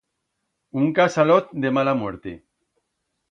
Un casalot de mala muerte.